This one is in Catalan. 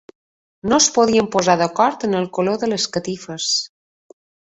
No ens podíem posar d'acord en el color de les catifes.